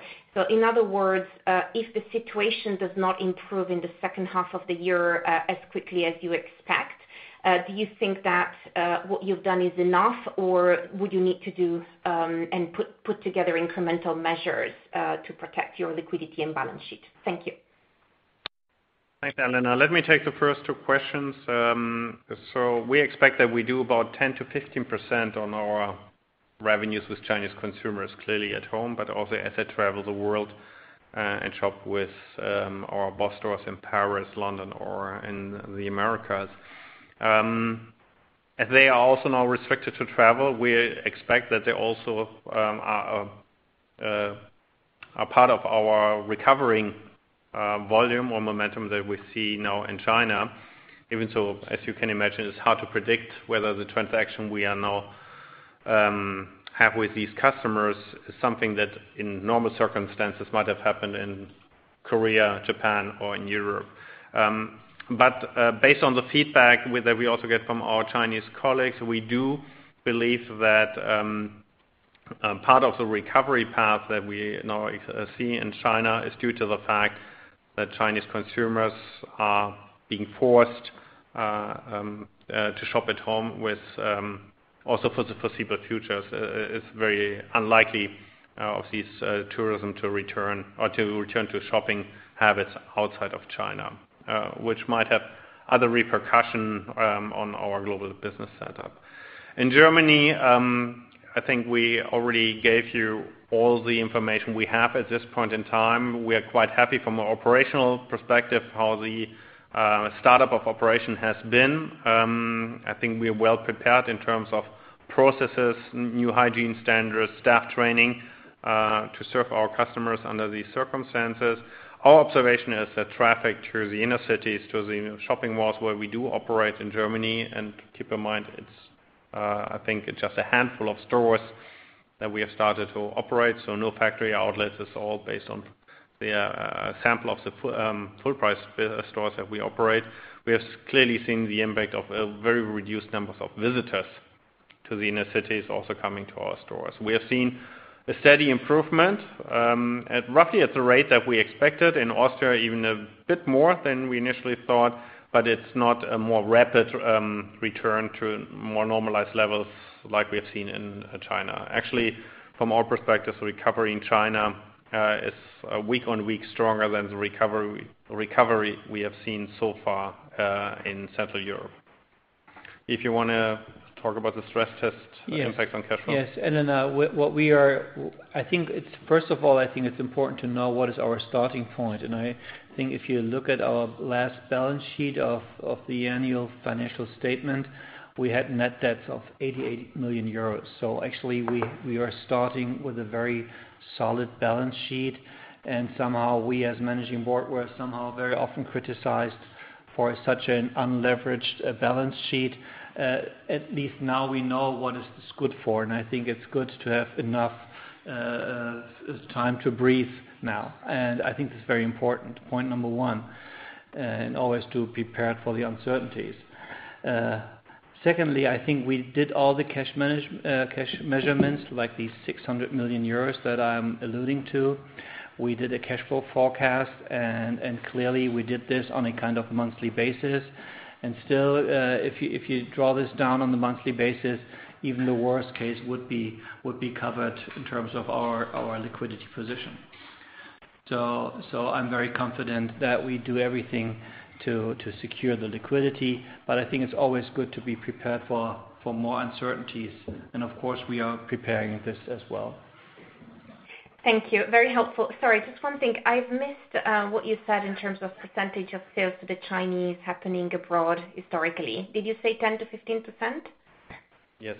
In other words, if the situation does not improve in the second half of the year as quickly as you expect, do you think that what you've done is enough, or would you need to do and put together incremental measures to protect your liquidity and balance sheet? Thank you.
Thanks, Elena. Let me take the first two questions. We expect that we do about 10%-15% on our revenues with Chinese consumers clearly at home, but also as they travel the world and shop with our BOSS stores in Paris, London, or in the Americas. As they are also now restricted to travel, we expect that they also are part of our recovering volume or momentum that we see now in China. Even so, as you can imagine, it's hard to predict whether the transaction we now have with these customers is something that in normal circumstances might have happened in Korea, Japan, or in Europe. Based on the feedback that we also get from our Chinese colleagues, we do believe that part of the recovery path that we now see in China is due to the fact that Chinese consumers are being forced to shop at home also for the foreseeable future. It's very unlikely of these tourism to return or to return to shopping habits outside of China, which might have other repercussions on our global business setup. In Germany, I think we already gave you all the information we have at this point in time. We are quite happy from an operational perspective how the startup of operation has been. I think we are well prepared in terms of processes, new hygiene standards, staff training, to serve our customers under these circumstances. Our observation is that traffic to the inner cities, to the shopping malls where we do operate in Germany. Keep in mind, I think it's just a handful of stores that we have started to operate. No factory outlets. It's all based on the sample of the full-price stores that we operate. We are clearly seeing the impact of a very reduced numbers of visitors to the inner cities also coming to our stores. We have seen a steady improvement, roughly at the rate that we expected. In Austria, even a bit more than we initially thought. It's not a more rapid return to more normalized levels like we have seen in China. Actually, from our perspective, recovery in China is week-on-week stronger than the recovery we have seen so far in Central Europe. Yves, you want to talk about the stress test impact on cash flow.
Yes. Elena, first of all, I think it's important to know what is our starting point. I think if you look at our last balance sheet of the annual financial statement, we had net debts of 88 million euros. Actually, we are starting with a very solid balance sheet, and somehow we as Managing Board, we're somehow very often criticized for such an unleveraged balance sheet. At least now we know what it's good for, and I think it's good to have enough time to breathe now. I think it's very important, point number 1, and always to prepared for the uncertainties. Secondly, I think we did all the cash measurements, like the 600 million euros that I'm alluding to. We did a cash flow forecast, and clearly we did this on a kind of monthly basis. Still, if you draw this down on the monthly basis, even the worst case would be covered in terms of our liquidity position. I'm very confident that we do everything to secure the liquidity. I think it's always good to be prepared for more uncertainties. Of course, we are preparing this as well.
Thank you. Very helpful. Sorry, just one thing. I've missed what you said in terms of percentage of sales to the Chinese happening abroad historically. Did you say 10%-15%?
Yes.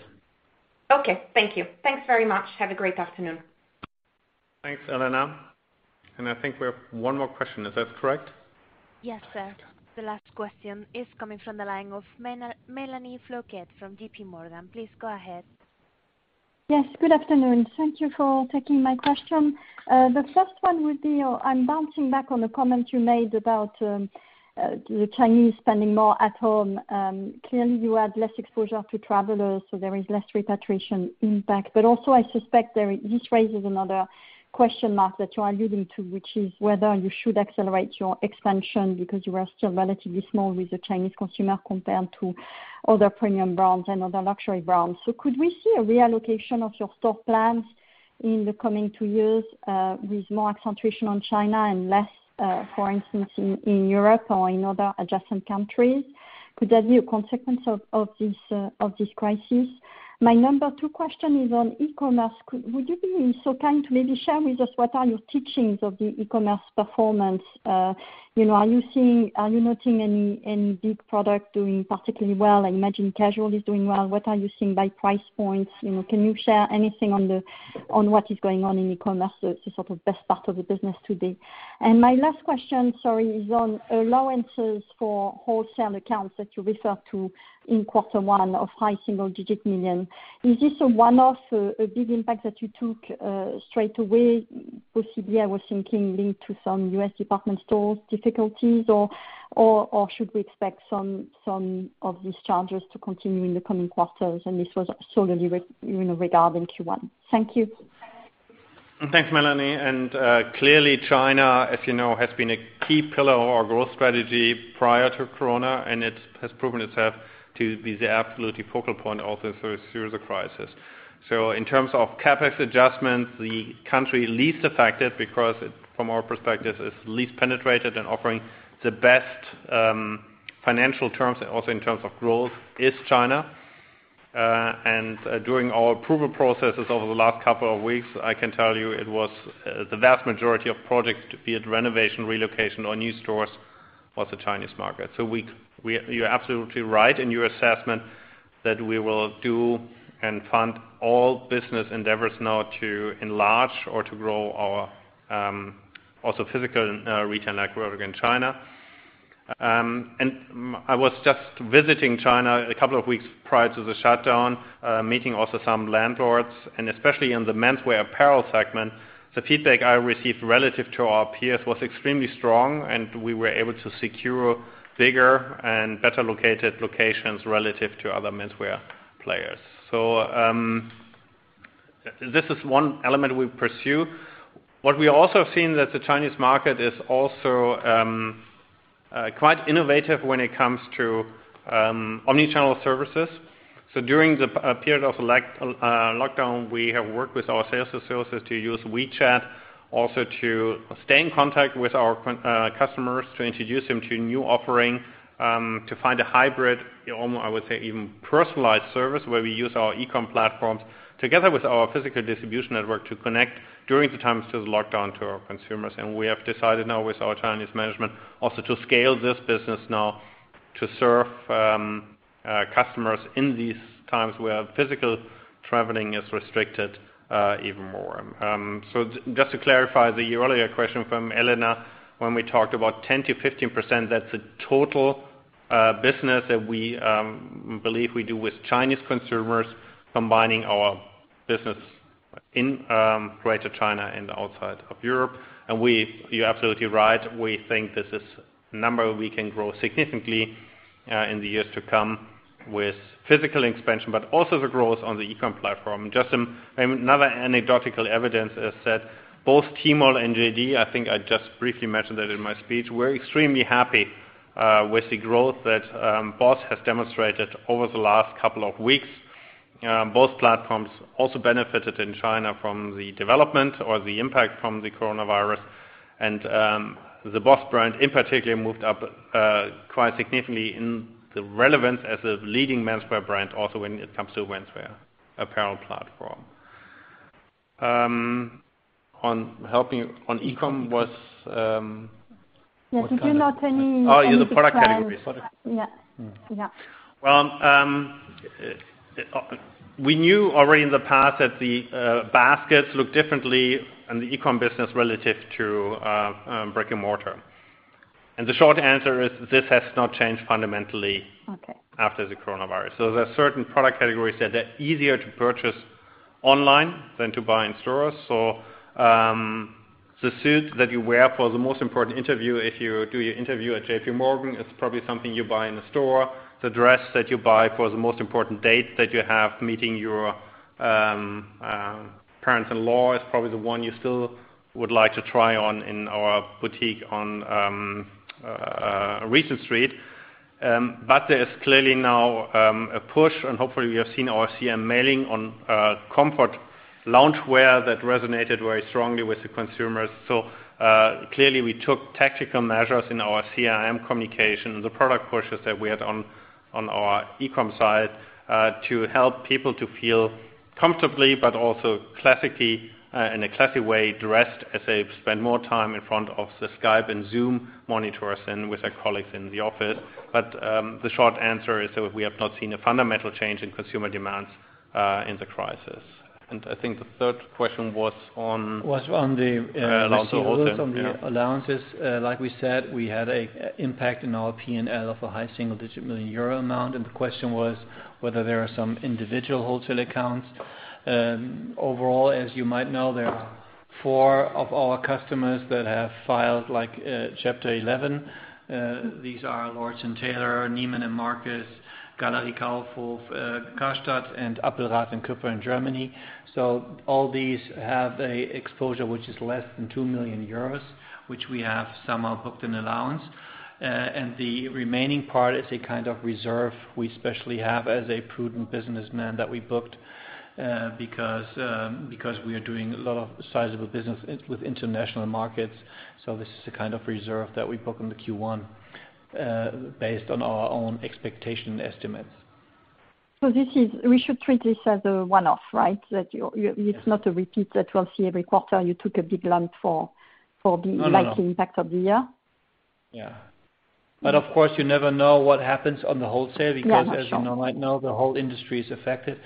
Okay. Thank you. Thanks very much. Have a great afternoon.
Thanks, Elena. I think we have one more question. Is that correct?
Yes, sir. The last question is coming from the line of Mélanie Flouquet from JPMorgan. Please go ahead.
Yes, good afternoon. Thank you for taking my question. The first one would be, I'm bouncing back on a comment you made about the Chinese spending more at home. Clearly, you had less exposure to travelers, so there is less repatriation impact. Also I suspect this raises another question mark that you are alluding to, which is whether you should accelerate your expansion because you are still relatively small with the Chinese consumer compared to other premium brands and other luxury brands. Could we see a reallocation of your store plans in the coming two years with more accentuation on China and less for instance, in Europe or in other adjacent countries? Could that be a consequence of this crisis? My number two question is on e-commerce. Would you be so kind to maybe share with us what are your teachings of the e-commerce performance? Are you noting any big product doing particularly well? I imagine casual is doing well. What are you seeing by price points? Can you share anything on what is going on in e-commerce, the sort of best part of the business today? My last question, sorry, is on allowances for wholesale accounts that you referred to in Q1 of high single-digit million euro. Is this a one-off, a big impact that you took straight away, possibly I was thinking linked to some U.S. department stores difficulties or should we expect some of these charges to continue in the coming quarters and this was solely regarding Q1? Thank you.
Thanks, Mélanie. Clearly China, as you know, has been a key pillar of our growth strategy prior to corona, and it has proven itself to be the absolutely focal point also through the crisis. In terms of CapEx adjustments, the country least affected because from our perspective, it's least penetrated and offering the best financial terms also in terms of growth is China. During our approval processes over the last couple of weeks, I can tell you it was the vast majority of projects, be it renovation, relocation or new stores, was the Chinese market. You're absolutely right in your assessment that we will do and fund all business endeavors now to enlarge or to grow our also physical retail network in China. I was just visiting China a couple of weeks prior to the shutdown, meeting also some landlords, especially in the menswear apparel segment. The feedback I received relative to our peers was extremely strong, and we were able to secure bigger and better located locations relative to other menswear players. This is one element we pursue. What we also have seen that the Chinese market is also quite innovative when it comes to omni-channel services. During the period of lockdown, we have worked with our sales associates to use WeChat also to stay in contact with our customers, to introduce them to new offering, to find a hybrid, I would say even personalized service where we use our e-com platforms together with our physical distribution network to connect during the times of lockdown to our consumers. We have decided now with our Chinese management also to scale this business now to serve customers in these times where physical traveling is restricted even more. Just to clarify the earlier question from Elena, when we talked about 10%-15%, that's the total business that we believe we do with Chinese consumers combining our business in Greater China and outside of Europe. You're absolutely right. We think this is a number we can grow significantly in the years to come with physical expansion, but also the growth on the e-com platform. Just another anecdotal evidence is that both Tmall and JD, I think I just briefly mentioned that in my speech, we're extremely happy with the growth that BOSS has demonstrated over the last couple of weeks. Both platforms also benefited in China from the development or the impact from the coronavirus and the BOSS brand in particular moved up quite significantly in the relevance as a leading menswear brand also when it comes to menswear apparel platform.
Yes. If you're not turning-.
Oh, you mean the product categories.
Yeah.
Well, we knew already in the past that the baskets look differently in the e-com business relative to brick and mortar. The short answer is this has not changed fundamentally.
Okay.
After the COVID-19. There are certain product categories that are easier to purchase online than to buy in stores. The suit that you wear for the most important interview, if you do your interview at JPMorgan, it's probably something you buy in the store. The dress that you buy for the most important date that you have, meeting your parents-in-law, is probably the one you still would like to try on in our boutique on Regent Street. There is clearly now a push, and hopefully we have seen our CRM mailing on comfort loungewear that resonated very strongly with the consumers. Clearly, we took tactical measures in our CRM communication and the product pushes that we had on our e-com side to help people to feel comfortably, but also classically, in a classy way, dressed as they spend more time in front of the Skype and Zoom monitors than with their colleagues in the office. The short answer is that we have not seen a fundamental change in consumer demands in the crisis. I think the third question was on-.
Was on the-.
Around the wholesale, yeah.
On the allowances. We said, we had a impact in our P&L of a high single-digit million euro amount, and the question was whether there are some individual wholesale accounts. Overall, as you might know, there are four of our customers that have filed Chapter 11. These are Lord & Taylor, Neiman Marcus, Galeria Kaufhof, Karstadt, and AppelrathCüpper in Germany. All these have a exposure which is less than 2 million euros, which we have somehow booked an allowance. The remaining part is a kind of reserve we specially have as a prudent businessman that we booked, because we are doing a lot of sizable business with international markets. This is a kind of reserve that we book in the Q1, based on our own expectation estimates.
We should treat this as a one-off, right?
Yeah.
It's not a repeat that we'll see every quarter, you took a big lump.
No, no.
Lasting impact of the year?
Yeah. Of course, you never know what happens on the wholesale.
Yeah, sure.
As you know right now, the whole industry is affected.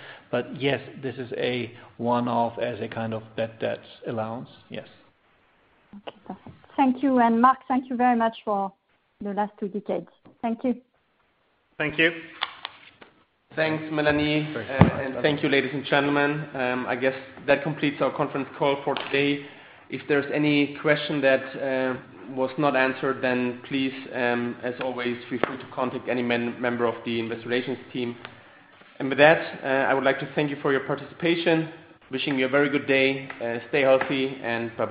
Yes, this is a one-off as a kind of bad debts allowance. Yes.
Okay, perfect. Thank you. Mark, thank you very much for the last two decades. Thank you.
Thank you.
Thanks, Mélanie.
Thanks a lot.
Thank you, ladies and gentlemen. I guess that completes our conference call for today. If there's any question that was not answered, then please, as always, feel free to contact any member of the investor relations team. With that, I would like to thank you for your participation. Wishing you a very good day. Stay healthy, and bye-bye.